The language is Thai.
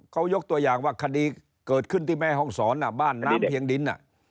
เขายกตัวอย่างว่าคดีเกิดขึ้นที่แม่ห้องศรบ้านน้ำเพียงดิน